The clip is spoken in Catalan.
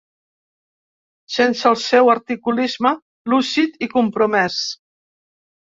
Sense el seu articulisme lúcid i compromès.